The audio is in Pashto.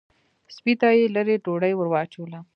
سپۍ ته یې لېرې ډوډۍ ور واچوله.